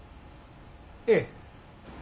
ええ。